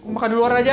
makan di luar aja